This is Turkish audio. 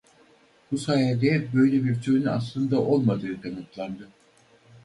Bu sayede böyle bir türün aslında olmadığı kanıtlandı.